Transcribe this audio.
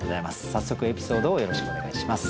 早速エピソードをよろしくお願いします。